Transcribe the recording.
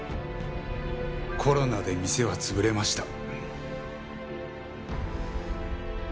コロナで店は潰れました。